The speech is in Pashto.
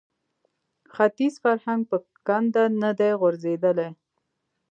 ختیز فرهنګ په کنده نه دی غورځېدلی